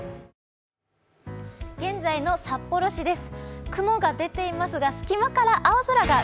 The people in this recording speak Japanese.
現在の札幌市です。